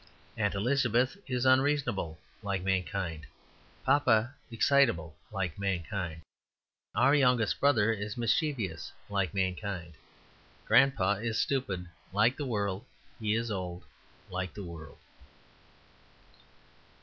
Aunt Elizabeth is unreasonable, like mankind. Papa is excitable, like mankind Our youngest brother is mischievous, like mankind. Grandpapa is stupid, like the world; he is old, like the world.